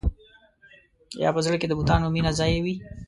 یا په زړه کې د بتانو مینه ځای وي.